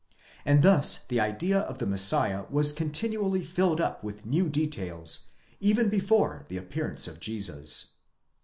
and thus the idea of the Messiah was continually filled up with new details, even before the appearance of Jesus.!?